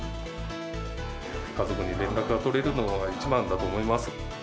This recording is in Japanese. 家族に連絡が取れるのが一番だと思います。